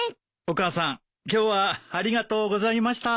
お母さん今日はありがとうございました。